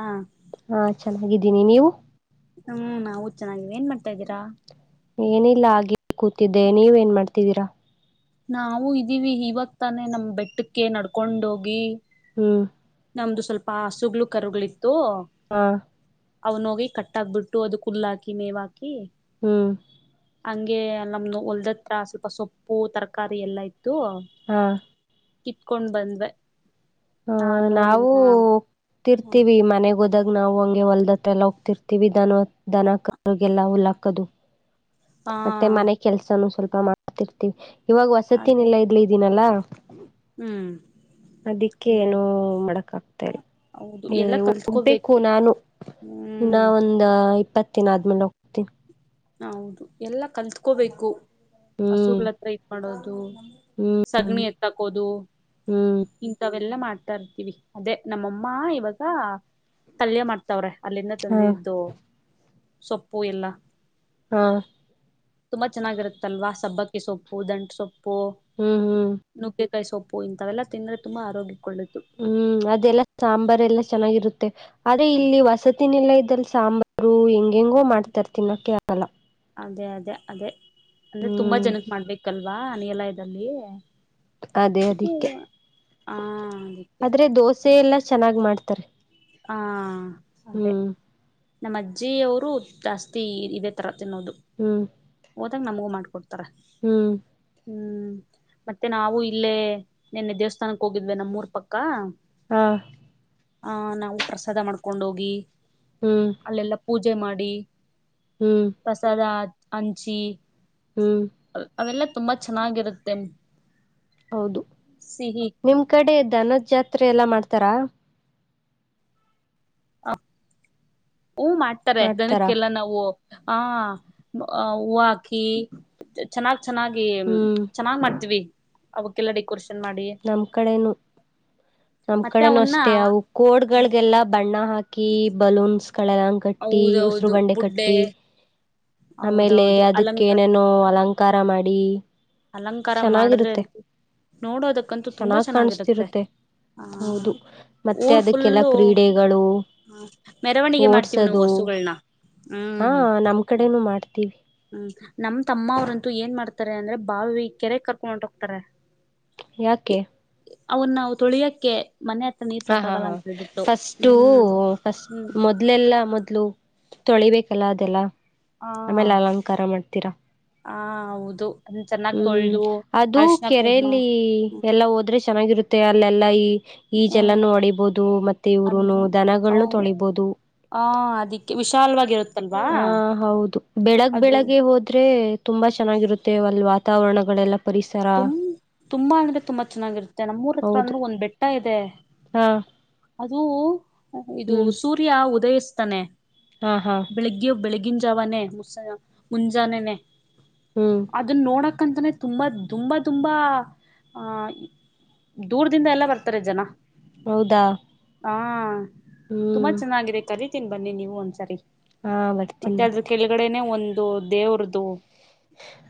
ಹಾ ಹಾ ಚೆನ್ನಾಗಿದ್ದೀನಿ ನೀವು ಹ್ಮ್ ನಾವು ಚೆನ್ನಾಗಿವ್ ಏನ್ ಮಾಡ್ತಾ ಇದ್ದೀರಾ? ಏನಿಲ್ಲ ಹಾಗೆ ಕೂತಿದ್ದೆ ನೀವೆನ್ ಮಾಡ್ ತೀದಿರ. ನಾವು ಇದೀವಿ ಇವಾಗ್ ತಾನೇ ನಮ್ ಬೆಟ್ಟಕ್ಕೆ ನಡ್ಕೊಂಡೋಗಿ ಹ್ಮ ನಮ್ದು ಸ್ವಲ್ಪ ಹಸುಗ್ಗಳು ಕರುಗಳಿ ತ್ತು ಹಾ ಅವ್ನೋಗಿ ಕಟ್ಟಾಕ್ಬಿಟ್ಟು ಅದುಕ್ ಹುಲ್ಲಾಕಿ ಮೇವಾಕಿ ಹ್ಮ ಹಂಗೆ ನಮ್ ಹೊಲ್ದತ್ರ ಸ್ವಲ್ಪ ಸೊಪ್ಪು ತರಕಾರಿ ಎಲ್ಲಾ ಇ ತ್ತು ಹಾ ಕಿಟ್ಕೊಂಡ್ ಬಂದ್ವೆ ಹ ನಾನು ನಾವು ನಮ್ಮ ಓಗ್ತಿರ್ತಿವಿ ಮನೆಗ್ ಹೋದ್ ಆದಾಗ ನಾವು ಹಂಗೆ ಹೊಲ್ದತ್ತೆಲ್ಲ ಹೋಗ್ತಿರ್ತಿವಿ ದನ ದನಕಗೆಲ್ಲ ಹುಲ್ಲಾಕದು ಹಾ ಮತ್ತೆ ಮನೆ ಕೆಲ್ಸನ ಸ್ವಲ್ಪ ಕ ಮಾಡತತಿ [unintelligible] ಇವಾಗ ವಸತಿನ ಅದೇ ಇಲ್ಲ ಇದ್ಲಿ ಇದೀನಲ್ಲಾ ಹ್ಮ್ ಅದಿಕ್ಕೆ ಅದೇ ಏನು ಅದೇ ಮಾಡಕ್ ಆಗ್ತಿಲ್ಲ ಹೌದು ಏ ಎಲ್ಲಾ ಹೋಗ್ಬೇಕು ಕಲ್ತ್ಕೋಬೇಕು ನಾನು ಇನ್ನ ಹ್ಮ್ ಒಂದ ಇಪ್ಪತ್ ತನ್ ಆದ್ಮಡೋಗತ್ತ ಹೌದು ಎಲ್ಲ ಕಲ್ತ್ಕೋಬೇಕು ಹ್ಮ್ ಹಸುಗಳು ಇಡುಕಣೋಗಿ ಹ್ಮ್ ಸಗಣಿ ಎತ್ತಾಕೋದು ಹ್ಮ್ ಇಂಥವೆಲ್ಲಾ ಮಾಡ್ತ ತ ಇರ್ತೀವಿ ಅದೇ ನಮ್ಮಮ್ಮ ಇವಾಗ ತಲ್ಯ ಮಾಡ್ತ ತವ್ರೆ ಅಲ್ಲಿಂದ ತಂದ ಹಾ ಇದಿದ್ದು ಸೊಪ್ಪು ಎಲ್ಲ ಹಾ ತುಂಬಾ ಚೆನ್ನಾಗಿರುತ್ತಲ್ವಾ ಸಬ್ಬತ್ ಸೊಪ್ಪು ದಂಟು ಸೊಪ್ಪು ಹ್ಮ್ ಹ್ಮ್ ಪು ನುಗ್ಗೆ ಕಾಯಿ ಸೊಪ್ಪು ಇಂಥವೆಲ್ಲ ತಿಂದ್ರೆ ತುಂಬ ಆರೋಗ್ಯ ಹ್ಮ್ ಅದೆಲ್ಲ ಸಾಂಬಾರ್ ಎಲ್ಲಾ ಚೆನ್ನಾಗಿರುತ್ತೆ ಆದದ್ರೆ ಇಲ್ಲಿ ವಸತಿನ ಎಲ್ಲಾ ಇದ್ದಲ್ಲಿ ಸಾಂಬಾರು ಹೆಂಗ ಹೆಂಗೋ ಮಾಡ್ತರ್ ತಿನ್ನಕೆ ಅದೇ ಅದೇ ಅದೇ ಅಂದ್ರೆ ತುಂಬಾ ಹ್ಮ್ ಜನಕ್ ಮಾಡ್ಬೇಕಲ್ವಾ ಅನ ಎಲ್ಲ ಲ್ಲಿ ಅದೇ ಅದಿಕ್ಕೆ ಆ ಅದಕ್ಕೆ ಆದ್ರೆ ದೋಸೆ ಎಲ್ಲ ಚೆನ್ನಾಗ್ ಮಾಡ್ತಾರೆ ಹಾ ಹ್ಮ್ ನಮ್ಮ ಅಜ್ಜಿಯವರು ಜಾಸ್ತಿ ಇದೆ ತರ ನ್ನೋದು ಹ್ಮ್ ಹೋದಾಗ ನಮಗೂ ಮಾಡ್ಕ ಕೊಡ್ತಾರೆ ಹ್ಮ್ ಹ್ಮ್ ಮತ್ತೆ ನಾವು ಇಲ್ಲೇ ನಿನ್ನೆ ದೇವಸ್ಥಾನಕ್ಕೆ ಹೋಗಿದ್ವೆ ನಮ್ಮೂರ್ ಪಕ್ಕ ಹಾ ಹ ನ ನಾವು ಪ್ರಸಾದ ಮಾಡ್ಕೊಂಡೋಗಿ ಹ್ಮ್ ಅಲ್ಲೆಲ್ಲ ಪೂಜೆ ಪೂಜೆ ಮಾಡಿ ಹ್ಮ್ ಪ್ರಸಾದ ಅಂಚಿ ಹ್ಮ್ ಅವೆಲ್ಲ ತುಂಬಾ ಚೆನ್ನಾಗಿರುತ್ತೆ ಹೌದು ಸಿಹಿ ನಿಮ್ ಕಡೆ ಧನುದ್ ಜಾತ್ರೆ ಎಲ್ಲ ಮಾಡ್ತಾರಾ ಹ ಹೂ ಮಾಡ್ತಾರೆ ಮಾಡ್ತಾರಾ ದನಕ್ಕೆಲ್ಲ ನಾವು ಹ ಹೂವ ಹಾಕಿ ಚೆನ್ನಾಗ್ ಚೆನ್ನಾಗಿ ಹ್ಮ್ ಚೆನ್ನಾಗ್ ಮಾಡ್ತೀವಿ ಅವುಕ್ಕೆಲ್ಲ ಡೆಕೋರ್ ನಮ್ ಕಡೆನು ನಮ್ ಮತ್ತೆ ಕಡೆನು ಅವನ್ನ ಅಷ್ಟೇ ಅವು ಕೋಡ್ಗಳಗೆಲ್ಲಾ ಬಣ್ಣ ಹಾಕಿ ಕೀ ಬಲೂನ್ಸ್ ಕಳಲಂಗ್ ಕಟ್ಟಿ ಉಸ್ರು ಹೌದೌದು ಬಂಡೆ ಬುಡ್ಡೆ ಕಟ್ಟಿ ಆಮೇಲೆ ಹೌದೌದು ಅಲಂಕಾರ ಅದಕ್ಕೇನೇನೋ ಅಲಂಕಾರ ಮಾಡಿ ಅಲಂಕಾರ ಮಾಡಿದ್ರೆ ಚೆನ್ನಾಗಿರುತ್ತೆ ಅಂತ ನೋಡೋದಕ್ಕಂತೂ ತುಂಬಾ ಚೆನ್ನಾಗ್ ಚೆನ್ನಾಗಿರುತ್ತೆ, ಕಾಣಿಸ್ತಿರುತ್ತೆ ಆ ಹೌದು ಮತ್ತೆ ಊರ್ ಅದಕ್ಕೆಲ್ಲ ಫುಲ್ಲು ಕ್ರೀಡೆಗಳು ಮೆರವಣಿಗೆ ಮಾಡ್ತೀವಿ ನಾವು ಓಡ್ಸೋದು ಹಸುಗಳನ್ನ ಹ್ಮ್ ತ್ತ ಹ್ಮ್ ನಮ್ ತಮ್ಮ ಅವ್ರಂತೂ ಏನ್ ಮಾಡ್ತಾರೆ ಅಂದ್ರೆ ಬಾವಿ ಕೆರೆ ಕರ್ಕೊಂಡ್ ಹೊಟೋಗ್ತರೆ ಯಾಕೆ ಅವನ್ನವು ತೊಳಿಯಕ್ಕೆ ಮನೆ ಹತ್ರ ನೀರ್ ಹ ಹಾ ಸಾಕಾಗಲ್ಲ ಹಾ ಅಂತ ಹೇಳ್ಬಿಟ್ಟು ಫಸ್ಟು ಹ್ಮ್ ಫಸ್ಟ್ ಹ್ಮ್ ಮೊದ್ಲೆಲ್ಲಾ ಮೊದ್ಲು ತೊಳಿಬೇಕಲ್ಲ ಅದೆಲ್ಲ ಹ ಆಮೇಲೆ ಅಲಂಕಾರ ಮಾಡ್ತೀರಾ ಹ ಹೌದು ಅದ ಚೆನ್ನಾಗ್ ಹ್ಮ್ ತೊಳ್ದು ಅದು ಅರ್ಶಣ ಕುಂಕುಮ ಕೆರೆಯಲ್ಲಿ ಎಲ್ಲಾ ಹೋದ್ರೆ ಚೆನ್ನಾಗಿರುತ್ತೆ ಅಲ್ಲೆಲ್ಲಾ ಈ ಹ್ಮ್ ಈಜೆಲನ್ನು ಒಡಿಬೋದು ಮತ್ತೆ ಇವ್ರುನು ಅಂದ್ರೆ ದನಗಳನ್ನು ಅವು ತೊಳಿಬಹುದು ಹ ಅದಿಕ್ಕೆ ವಿಶಾಲವಾಗಿರುತ್ತಲ್ವಾ ಹ ಹೌದು ಬೆಳಗ್ ಅದು ಬೆಳಗ್ಗೆ ಹೋದ್ರೆ ಏ ತುಮ್ ತು ತುಂಬಾ ಅಂದ್ರೆ ತುಂಬಾ ಚೆನ್ನಾಗಿರುತ್ತೆ ನಮ್ಮೂರ್ ಹತ್ರ ಹೌದು ಅಂದ್ರೂ ಒಂದ್ ಬೆಟ್ಟ [unintelligible] ಹಾ ಅದು ಇದು ಹ್ಮ್ ಸೂರ್ಯ ಉದಯ ತನೆ ಹಾ ಹಾ ಬೆಳಿಗ್ಗಿ ಬೆಳಗಿನ್ ಜಾವಾನೆ ಮುಸಯ ಮುಂಜಾನೆನೆ ಹ್ಮ್ ಅದುನ್ ನೋಡಕಂತಾನೇ ತುಂಬ ತುಂಬಾ ತುಂಬಾ ಆ ದೂರದಿಂದ ಎಲ್ಲ ಬರ್ತಾರೆ ಜನ. ಹೌದಾ ಹಾಂ ತುಂಬಾ ಹ್ಮ್ ಚೆನ್ನಾಗಿದೆ ಕರಿ ತಿನ್ ಬನ್ನಿ ನೀವು ಒಂದ್ಸರಿ. ಹಾ ಬರ್ತೀನಿ ಮತ್ತೆ ಅದ್ರು ಬರ್ತೀನಿ ಕೆಳಗಡೆನೆ ಒಂದ್ ದು ದೇವ್ರ್ದು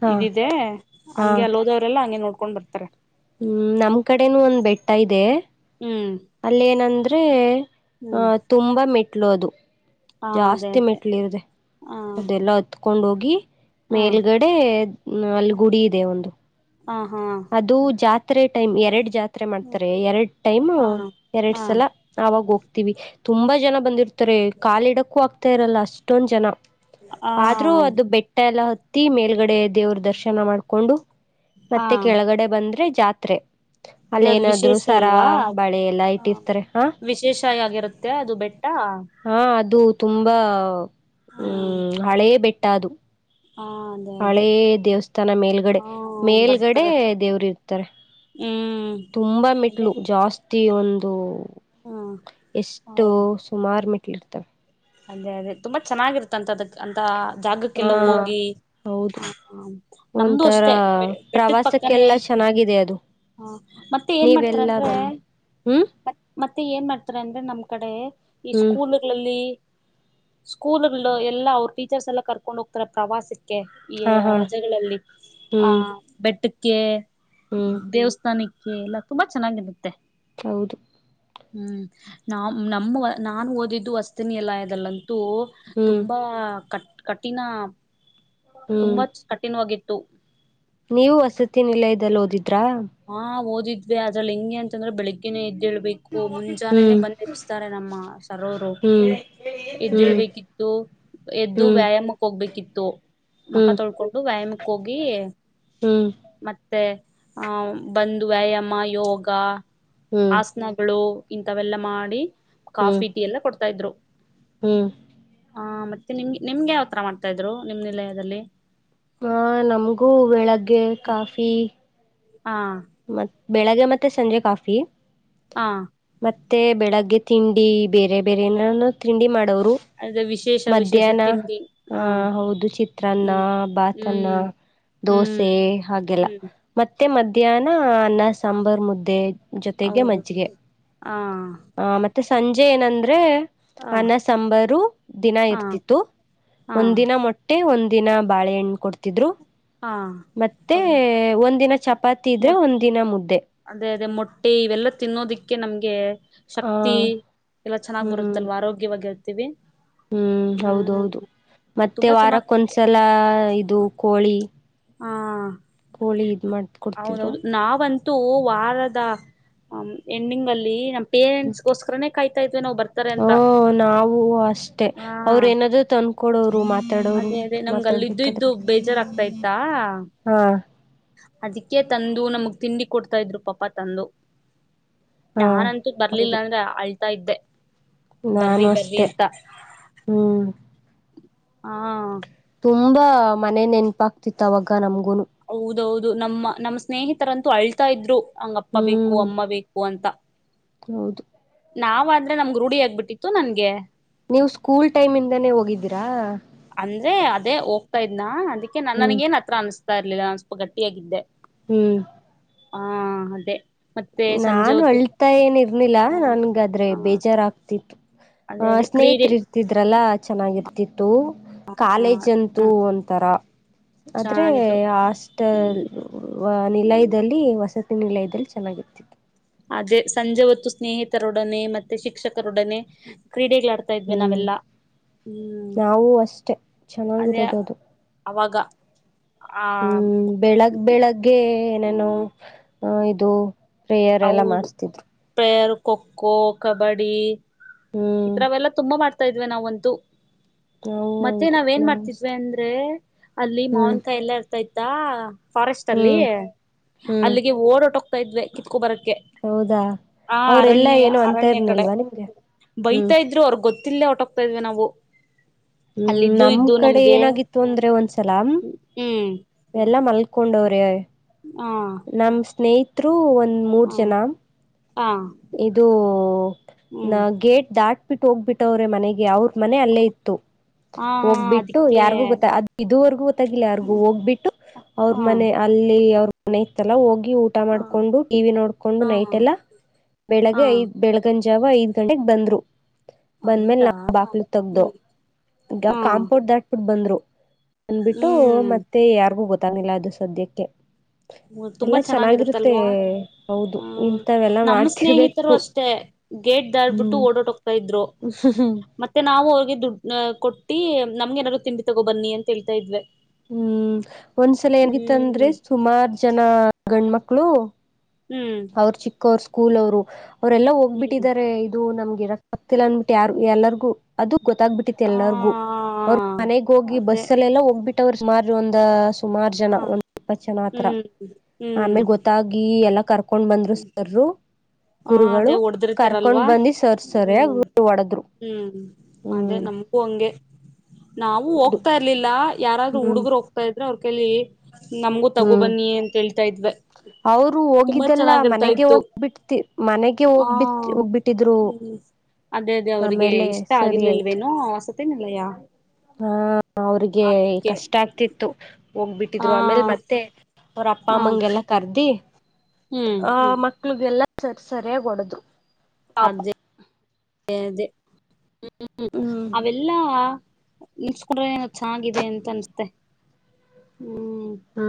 ಹಾ ಇದಿದೆ ಹಾ ಹಂಗೆ ಅಲ್ಲೋ ಎಲ್ಲ ಹಂಗೆ ನೋಡ್ಕೊಂಡ್ ಬರ್ತಾರೆ. ಹ್ಮ್ ನಮ್ ಕಡೆನು ಒಂದ್ ಬೆಟ್ಟ ಇದೆ. ಹ್ಮ್ ಅಲ್ಲೇನಂದ್ರೆ ಹ ಹ್ಮ್ ತುಂಬಾ ಮೆಟ್ಲು ಅದು ಹ ಅದೇ ಜಾಸ್ತಿ ಅದೇ ಮೆಟ್ಲ್ ಇದೆ ಹ ಅದೆಲ್ಲ ಹತ್ಕೊ ಕೊಂಡೊಗಿ ಹ ಮೇಲ್ಗಡೆ ಅಲ್ಗುಡಿ ಇದೆ ಒಂದು ಆ ಹಾ ತ್ರೆ ಟೈಮ್ ಎರಡ್ ಜಾ ರೆ ಮಾಡ್ತಾರೆ ಎರಡ್ ಟೈಮ್ ಹಾ ಎರಡ್ ಹಾ ಹ ಸಲ ಆವಾಗ್ ಹೋಗ್ ತಿವಿ ತುಂಬಾ ಜನ ಬಂದಿರ್ತಾರೆ ಕಾಲಿಡಕ್ಕೂ ಆಗ್ತಾ ಇರಲ್ಲ ಅಷ್ಟೊಂದ್ ಜನ. ಆದ್ರೂ ಅದು ಬೆಟ್ಟ ಎಲ್ಲ ಹತ್ತಿ ಮೇಲ್ಗಡೆ ದೇವ್ರ್ ದರ್ಶ ಚೆನ್ನ ಮಾಡ್ಕೊಂಡು ಮತ್ ಹಾ ತ್ತೆ ಕೆಳಗಡೆ ಬಂದ್ರೆ ಜಾತ್ರೆ ಅದೇ ಅದು ಅಲ್ಲೇನಾದ್ರು ವಿಶೇಷ ಸರಾ ಅಲ್ವಾ ಹ ಬಳೆ ಎಲ್ಲಾ ಇಟ್ಟಿರ್ತಾರೆ ಹಾ ವಿಶೇಷ ಆಗಿರುತ್ತೆ ಅದು ಬೆಟ್ಟ ಹಾ ಅದು ತುಂಬಾ ಹಾ ಹ್ಮ್ ಹಳೆ ಬೆಟ್ ಟ್ಟಾದು. ಹಾ ಅದೇ ಅದೇ ಹಳೇ ದೇವಸ್ಥಾನ ಮೇಲ್ಗಡೆ ಹಾ ಮೇಲ್ಗಡೆ ಬರ್ತಾರ ದೇವ್ರಿರ್ತಾರೆ. ಹ್ಮ್ ತುಂಬಾ ಅದೇ ಮೆಟ್ಲು ಜಾಸ್ತಿ ತಿ ಒಂದು ಹ್ಮ್ ಎಷ್ಟು ಹೌದು ಸುಮಾರ್ ಮೆ ಟ್ಲಿರ್ತಾವೆ. ಅದೇ ಅದೇ ತುಂಬಾ ಚೆನ್ನಾಗಿರುತ್ತಂತ ಅದಕ್ ಅಂತ ಹಾ ಜಾಗಕ್ಕೆಲ್ಲ ಹೋಗಿ ಹೌದು ಹ ಹ ನಮ್ದು ಒಂಥರ ಅಷ್ಟೆ ಬೆಟ್ಟದ ಪಕ್ಕನೇ ಪ್ರವಾಸಕ್ಕೆಲ್ಲ ಚೆನ್ನಾಗಿದೆ ಅದು ಹ ಮತ್ತೆ ಏನ್ ಮಾಡ್ತಾರ ನೀವೆಲ್ಲ ಅಂದ್ರೆ ಬನ್ನಿ ಹ್ಮ್ ಮತ್ತೆ ಏನ್ ಮಾಡ್ತಾರ ಅಂದ್ರೆ ನಮ್ ಕಡೆ ಈ ಹ್ಮ್ ಸ್ಕೂಲ್ಗಳಲ್ಲಿ ಸ್ಕೂಲ್ಗಳು ಎಲ್ಲಾ ಅವರು ಟೀಚರ್ಸ್ ಎಲ್ಲ ಕರ್ಕೊಂಡ್ ಹೋಗ್ತಾರೆ ಪ್ರವಾಸಕ್ ಈ ಹಾ ಯ ಹಾ ರಜೆಗಳಲ್ಲಿ ಆ ಹ್ಮ್ ಬೆಟ್ ಟ್ಟಕ್ಕೆ ಹ್ಮ್ ದೇವಸ್ಥಾನಕ್ ಕ್ಕೆ ಎಲ್ಲ ತುಂಬಾ ಚೆನ್ನಾಗಿರುತ್ತೆ. ಹೌದು ಹ್ಮ್ ನಾ ನಮ್ಮ ನಾನು ಓದಿದ್ದು ವಸ್ತಿನಿ ಎಲ್ಲ ದಲ್ಲ ಟು ಹ್ಮ್ ತುಂಬಾ ಕ ಕಠಿನ ಹ್ಮ್ ತುಂಬಾ ಕಠಿಣವಾಗಿ ತ್ತು ನೀವು ವಸತಿ ನಿಲಯದಲ್ಲಿ ಓದಿದ್ ಹಾ ಒದ್ ದಿದ್ವಿ ಅದ್ರಲ್ ಹೆಂಗೆ ಅಂತಂದ್ರೆ ಬೆಳಗ್ಗೆನೇ ಎದ್ ಎದ್ದೇಳ್ಬೇಕು ಮುಂಜಾನೆನೆ ಹ್ಮ್ ಬಂದ್ ಎಬ್ಸ್ತಾರೆ ನಮ್ಮ ಸರೋರು ಹ್ಮ್ ಹ್ಮ್ ಎದಳ್ಬೇಕಿತ್ತು ಎದ್ದು ಹ್ಮ್ ಹ್ಮ್ ವ್ಯಾಯಾಮಕ್ಕೆ ಹೋಗ್ಬೇಕಿತ್ ತೋ. ಮಕ ಹ್ಮ್ ತೊಳ್ಕೊಂಡು ವ್ಯಾಯಾಮಕ್ ಹೋಗೀ ಹ್ಮ್ ಮತ್ ತೇ. ಆಂ ಬಂದ್ ವ್ಯಾಯಾಮ ಯೋಗ ಹ್ಮ್ ಆಸ್ನಗಳೂ ಇಂಥವೆಲ್ಲ ಮಾಡಿ ಕಾಫಿ ಟೀ ಎಲ್ಲ ಕೊಡ್ತಾ ಇದ್ರು. ಹ್ಮು. ಆ ಮತ್ತೆ ನಿಮ್ಗೆ ನಿಮ್ಗ್ ಯಾವ್ ತರ ಮಾಡ್ತಾ ಇದ್ರು ನಿಮ್ ನಿಲಯದಲ್ಲಿ? ಆ ನಮ್ಗೂ ಬೆಳಗ್ಗೆ ಕಾಫೀ ಆ. ಬೆಳಗ್ಗೆ ಮತ್ತೆ ಸಂಜೆ ಕಾಫಿ ಆಂ. ಮತ್ತೆ ಬೆಳಗ್ಗೆ ತಿಂಡಿ ಬೇರೆ ಬೇರೆ ಏನಾನ ತಿಂಡಿ ಮಾಡ್ ಡೌರು. ಅದೇ ವಿಶೇಷ ವಿಶೇಷ ಮಧ್ಯಾನ, ತಿಂಡಿ ಹಾ ಹೌದು ಚಿತ್ರಾನ್ನ ಹ್ಮ್ ಬಾತನ್ನ ಹ್ಮ್ ಹ್ಮ್ ದೋಸೆ ಹಾಗೆಲ್ಲ ಹ್ಮ್ ಮತ್ತೆ ಮದ್ ಮಧಾನ [unintelligible] ಅನ್ನ ಹಾ ಸಾಂಬಾರ್ ಮುದ್ದೆ ಜೊತೆಗೆ ಹೌದು ಮಜ್ಜಿಗೆ ಹಾ ಆ ಮತ್ತೆ ಸಂಜೆ ಏನಂದ್ರರೆ ಹಾ ಅನ್ನ ಸಾಂಬಾರ್ ದಿನ ಹಾ ಇರ್ತಿತ್ತು ಹಾ ಒಂದ ದಿನ ಮೊಟ್ಟೆ ಒಂದ್ ದಿನ ಬಾಳೆಹಣ್ಣ್ ಕೊಡ್ತಿದ್ರು ಹಾ ಮತ್ತೆ ಹೌ ಒಂದಿನ ಚಪಾತಿ ಇದ್ರೆ ಮೊಟ್ ಒಂದಿನ ಮುದ್ದೆ ಅದೇ ಅದೇ ಮೊಟ್ಟೆ ಇವೆಲ್ಲ ತಿನ್ನೋದಿಕ್ಕೆ ನಮ್ಗೆ ಕೆ ಆ ಶಕ್ತಿ ಎಲ್ಲ ಚೆನ್ನಾಗ್ ಹ್ಮ್ ಬರುತ್ತಲ್ವಾ ಆರೋಗ್ಯವಾಗಿ ತವಿ ಹ್ಮ್ ಹೌದೌದು ಮತ್ತೆ ತುಂಬಾ ಚೆನ್ನಾಗ್ ಕೊಡ್ತು. ವಾರಕ್ಕೊಂದ್ಸಲ ಇದು ಕೋಳಿ ಹಾ ಕೋಳಿ ಇದ್ ಮಾಡ ಕೊಡ್ತಿದ್ರು ಮತ್ತು ವಾರದ ಎಂಡಿಂಗ್ ಅಲ್ಲಿ ನ ಪೇರೆಂಟ್ಸ್ ಗೋಸ್ಕರನೇ ಕಾಯ್ತಾ ಇದ್ ಓ ನಾವು ಅಷ್ಟೇ ಹಾ ಅವರು ಏನಾದ್ರು ತಂದಕೊಡೋರು ಮತ್ತ ಅದೇ ಅದೇ ನಮ್ಗ ಅಲ್ಲ ಇದಿದ್ದು ಇದ್ದು ಬೇಜಾರಾಗ್ತಾ ಇತ್ತಾ ಹಾ ಅದಕ್ಕೆ ತಂದು ನಮ್ಗ್ ತಿಂಡಿ ಕೊಡ್ತಾ ಇದ್ರು ಪಾಪ ತಂದು ಹಾ ನಾನ್ಂತೂ ಬರ್ಲಿಲ್ಲ ಹೌದು ಅಂದ್ರೆ ಅಳ್ತಾ ಇದ್ದೆ ನಾನು ಬರ್ರಿ ಬರ್ರಿ ಅಷ್ಟೆ ಅಂತ ಹ್ಮ್ ಹಾ ತುಂಬಾ ಮನೆ ನೆನಪಾಗ್ತಿತ್ತು ಅವಾಗ ನಮಗ ಒೊನು ಹೌೌದು ನಮ್ಮ ನಮ್ಮ್ ಸ್ನೇಹಿತರ ಅಂತೂ ಅಳ್ತಾ ಇದ್ರು ಹಂಗಪ್ಪ ಬೇಕು ಹ್ಮ್ ಅಮ್ಮ ಬೇಕು ಅಂತ ಹೌದು ನಾವ ಆದ್ರೆ ನಮ್ಗ್ ರೂಢಿಯಗ್ಬಿಟ್ಟಿತ್ತು ನನ್ಗೆ ನೀವು ಸ್ಕೂಲ್ ಟೈಮ್ ಇಂದಾನೇ ಹೋಗಿದ್ದೀರಾ ಅಂದ್ರೆ ಅದೇ ಹೋಗ್ತಾ ಇದ್ನಾ ಅದಕ್ಕೆ ಹ್ಮ್ ನನಗೆ ಮಾತ್ರ ಅನ್ಸು ತ ಇರ್ಲಿಲ್ಲ ನು ಸ್ವಲ್ಪ ಗಟ್ಟಿಯಾಗಿದ್ದೆ ಹ್ಮ್ ಆ ಅದೇ. ಮತ್ತೆ ಸಂಜೆ ನಾನು ಹೊತ್ತು ಅಳ್ತಾ ಏನ್ ಇರ್ಲಿಲ್ಲ ಹ್ಮ ನನ್ಗಾದ್ರೆ ಹ ಬೇಜಾರಾಗ್ತಿತ್ತು, ಅದೇ ಆ ಅದೇ ಕ್ರೀಡೆ ಸ್ನೇಹಿತ್ರ್ ಇರ್ತಿದ್ರಲ್ಲಾ ಚನ್ನಾಗಿರ್ತಿತ್ ತೂ, ಕಾಲೇಜ್ ಅಂತೂ ಒಂತರ, ಆದ್ರೆ ಚೆನ್ನಾಗಿತ್ತು ಹಾಸ್ಟೆಲ್ ವ ನಿಲಯ್ದಲ್ಲಿ ವಸತ್ ನಿಲಯ್ದಲ್ ಚನ್ನಾಗಿತ್ [unintelligible] ಅದೇ ಸಂಜೆ ಹೊತ್ತು ಸ್ನೇಹಿತರೊಡನೆ ಮತ್ತೆ ಶಿಕ್ಷಕರೊಡನೆ ಕ್ರೀಡೆಗಳಾಡ್ತಾ ಹ್ಮು, ಇದ್ವಿ ನಾವೆಲ್ಲಾ ಹ್ಮ್ ನಾವು ಅಷ್ಟೆ, ಅದೇ ಚನ್ನಾಗಿರೋದ್ ಅದು. ಅವಾಗ ಆ ಹ್ಮೂ ಬೆಳಗ್ ಬೆಳಗ್ಗೆ ಏನೇನೋ ಹಾ ಇದು ಪ್ರೇಯರ್ ಎಲ್ಲ ಮಾಡ್ಸ್ತಿದ್ರು. ಕ್ಕೊಕ್ಕೋ ಕಬಡೀ ಹ್ಮ್ ಇತರವೆಲ್ಲ ತುಂಬಾ ಮಾಡ್ [unintelligible] ಇದ್ವಿ ನಾವಂತೂ. ನಾವು ಮತ್ತೆ ಹೌದು ನಾವ್ ಏನ್ ನಾವು ಮಾಡ್ತಿದ್ವಿ ಅಷ್ಟೆ ಅಂದ್ರೇ ಅಲ್ಲಿ ಹ್ಮ್ ಮಾವನ್ಕಾಯ್ ಎಲ್ಲ ಇರ್ ಥೈತಾ. ಫಾರೆಸ್ಟ್ ಅಲ್ಲಿ, ಹ್ಮ್ ಹ್ಮ್ ಅಲ್ಲಿಗೆ ಓಡ್ ಒರ್ಟೋ ಪೆದ್ವೆ. ಕುತ್ಕೊ ಬರಟ್ ಹೌದಾ ಅವ್ರೆಲ್ಲಾ ಏನು ಅಂತ ಅರಣ್ಯ ಕಡೆ ಇರಲಿಲ್ವ ನಿಮ್ಗೆ? ಹ್ಮ್. ಬೈತಾ ಇದ್ರು [unintelligible] ಹೊರ್ಟೋಗ್ತಾ ಇದ್ವಿ ನಾವು. ಹ್ಮ್ ಅಲ್ಲಿದ್ದು ನಮ್ ಇದ್ದು ಕಡೆ ನಮ್ಗೆ ಏನಾಗಿತ್ತು ಅಂದ್ರೆ ಒಂದ್ಸಲ ಹ್ಮ್ ಎಲ್ಲಾ ಮಲ್ಕೊಂಡವ್ರೇ. ಹಾ ನಮ್ ಸ್ನೇಹಿತ್ ತ್ರೂವನ್ ಮೂರ್ ಹ ಜನ. ಹಾ ಇದೂ ಹ್ಮ್ ನಾವ್ ಗೇಟ್ ದಾಟ್ [unintelligible] ಬಿಟ್ ಹೋಗ್ಬಿಟ್ಟವ್ರೆ ಮನೆಗೆ ಅವ್ರ್ ಮನೆ ಅಲ್ಲೇ ಇತ್ತು ಹಾ ಹೋಗ್ಬಿಟ್ಟು ಅದಕ್ಕೆ ಯಾರ್ಗೂ ಗೊತ್ತಾಗ್ ಅದ್ ಇದುವರ್ಗೂ ಗೊತ್ತಾಗಿಲ್ಲ ಯಾರ್ಗು ಹ್ಮ ಹೋಗ್ಬಿಟ್ಟು ಅವ್ರ್ ಹಾ ಮನೆ ಅಲ್ಲಿ ಅವ್ರ್ [unintelligible] ಇತ್ತಲ್ಲ ಹೋಗ್ ಗಿ ಊಟ ಹಾ ಮಾಡ್ಕೊಂಡು ಟಿವಿ ನೋಡ್ಕೊಂಡು ಹಾ ನೈಟ್ ಎಲ್ಲ ಹಾ ಬೆಳಗ್ಗೆ ಐದ್ ಬೆಳಗ್ ಜಾವ ಐದ್ ಗಂಟೆಗ್ ಬಂದ್ರು. ಬಂದ್ಮೇಲ್ ಹೌದಾ ನಾ ಬಾಕ್ಲು ತಗ್ದ ಹ್ಮ್ ಈಗ ಹ್ಮ್ ಕಾಂಪೌ ದಾಟ್ಬಿಟ್ಟ ಬಂದ್ರು ಅಂದ್ಬಿಟ್ಟು ಹ್ಮ್ ಮತ್ತೆ ಯಾರಿಗೂ ಗೊತ್ತ ತಾನಿಲ್ಲ ಅದು ಸದ್ಯಕ್ಕೆ ತುಂಬಾ ಎಲ್ಲಾ ಚೆನ್ನಾಗಿರುತ್ತೆ ಚೆನ್ನಾಗಿರುತ್ತಲ್ವಾ ಹೌದು ಹ್ಮ್ ಇಂಥವೆಲ್ಲಾ ನಮ್ಮ ಮಾಡ್ತ ಸ್ನೇಹಿತರು ಅಷ್ಟೇ ಗೇಟ್ ದಾಡ್ಬಿಟ್ಟು ಓಡೋಟ ಹೋಗ್ತಾ ಇದ್ರು ಹ್ಮ್ ಹ್ಮ್ ಅವರಿಗೆ ದುಡ್ ಅ ಕೊಟ್ಟಿ ನಮ್ಗೆ ನಾದಾರರು ತಿಂಡಿ ತಗೋ ಬನ್ನಿ ಅಂತ ಹೇಳ್ತಾ ಇದ್ವಿ ಹ್ಮ್ ಒಂದ್ಸಲ ಏನ್ಗಿತ್ತ ಅಂದ್ರೆ ಹ್ಮ್ ಸುಮಾರ್ ಚೆನ್ನ ಗಂಡ ಮಕ್ಳು ಹ್ಮ್ ಅವ್ರ ಚಿಕ್ಕೋರ್ ಸ್ಕೂಲ ಅವರು ಅವರೆಲ್ಲ ಹ್ಮ್ ಹೋಗ್ಬಿಟ್ಟಿದ್ದಾರೆ ಇದು ನಮ್ಗೆ ಆತಿಲ್ಲ ಅಂದಬಿಟ್ಟು ಯಾರು ಎಲ್ಲರಿಗು ಅದು ಗೊತ್ತಾಗ್ಬಿಟ್ಟಿತಿ ಆ ಎಲ್ಲಾರ್ಗು ಅವ್ರ ಮನೆಗ್ ಹೋಗಿ ಅದೇ ಬಸ್ಸಲ್ಲ ಎಲ್ಲಾ ಹೋಗ್ಬಿಟ್ಟ ಸುಮಾರು ಒಂದು ಸುಮಾರು ಜನ ಹ ಒಂದ್ ಇಪ್ಪತ್ತು ಜನ ಆತ್ರ ಹ್ಮ್ ಹ್ಮ್ ಆಮೇಲ್ ಗೊತ್ತಾಗಿ ಎಲ್ಲ ಕರ್ಕೊಂಡ್ ಬಂದ್ರು ಸರ್ರು ಹ ಗುರುಗಳು ಅದೇ ಕರ್ಕೊಂಡ್ ಹೊಡದಿರ್ತಾರಲ್ವಾ ಬಂದಿ ಸರ್ ಸರಿಯ ಹ್ಮ್ ಒಡದ್ರು ಹ್ಮ್ ಅದೇ ಹ್ಮ ನಮಗೂ ಹಂಗೆ ನಾವು ಹೋಗ್ತಾ ಇರರ್ಲಿಲ್ಲ ಯಾರಾದ್ರೂ ಹುಗರು ಹೋಗ್ತ ಇದ್ರ ಅವರು ಕಲಿ ಈ. ನಮ್ಗೂ ಹ್ಮ್ ತಗೋಬನ್ನಿ ಅಂತ ಹೇಳ್ತಾ ಇದ್ವೆ ತುಂಬಾ. ಇಲ್ಲಾ ಚೆನ್ನಾಗಿರ್ತಾ ಮನೆಗೆ ಇತ್ತು ಹೋಗ್ಬಿಟ್ಟತಿ ಮನೆಗೆ ಹ ಹೋಗ್ಬಿ ಹೋಗ್ಬಿಟ್ಟಿದ್ರು ಹ್ಮ್ ಅದೇ ಅದೇ ಆಮೇಲೆ ಸರಿ ಆಯ್ತು. ಅನಿಲ್ಲಯಾ. ಹಾ ಅವ್ರಿಗೆ ಕಷ್ಟ ಆಗ್ತಿತ್ತು ಹೋಗ್ಬಿಟ್. ಹಾ ಬಿಟ್ಟಿದ್ರು ಆಮೇಲೆ ಮತ್ತೆ. ಅವರ ಅಪ್ಪ ಹ ಅಮ್ಮಂಗೆಲ್ಲ ಕರಿದೀ. ಹ್ಮ್ ಆ ಮಕ್ಳಗೆಲ್ಲ. ಸರ್ ಸರಿಯಗ ಒಡುದ್ರು. ಅಜ್ಜ. ಅದೇ. ಹ್ಮ್ ಹ್ಮ್ ಅವೆಲ್ಲಾ ಆ. ನೀಲಸ್ಕೊಂಡ್ರೆ ಎನ್ ಆಯಿತ್. ಚಂದ್ಇದೆ ಅಂತ ಅನ್ಸ್ತೆ ಹ್ಮಂ ಹೂ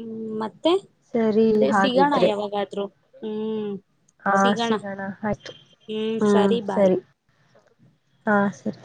ಇಲ್ಲ. ಮತ್ತೆ ಅದೇ ಸಿಗೋಣ ಹಾಗಿದ್ರೆ ಯಾವಾಗಾದ್ರೂ. ಹ್ಮ್. ಹಾ ಸಿಗೋಣ ಆಯ್ತು. ಹ್ಮ್ ಹ್ಮ ಬಾಯ್. ಸರಿ ಹಾ ಸರಿ.